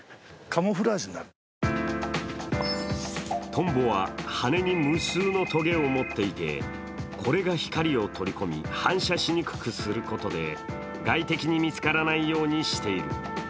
トンボは羽に無数のとげを持っていてこれが光を取り込み、反射しにくくすることで外敵に見つからないようにしている。